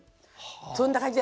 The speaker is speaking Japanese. そんな感じで。